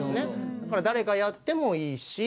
だから誰がやってもいいし。